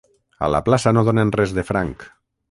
A la plaça no donen res de franc.